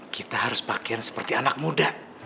kita harus pakaian seperti anak muda